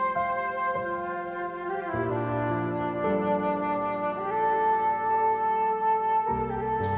menentukan warga umrah